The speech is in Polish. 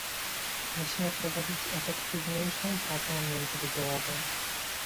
Musimy prowadzić efektywniejszą pracę międzywydziałową